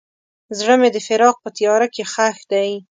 زړه مې د فراق په تیاره کې ښخ دی.